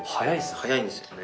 早いんですよね。